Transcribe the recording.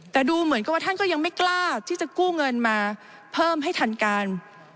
แต่ดูเหมือนกับว่าท่านก็ยังไม่กล้าที่จะกู้เงินมาเพิ่มให้ทันการ